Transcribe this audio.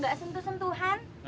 gak sentuh sentuhan